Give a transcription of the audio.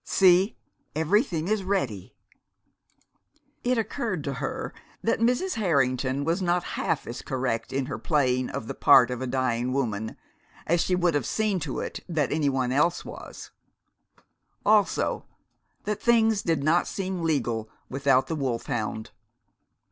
See, everything is ready." It occurred to her that Mrs. Harrington was not half as correct in her playing of the part of a dying woman as she would have seen to it that anyone else was; also, that things did not seem legal without the wolfhound.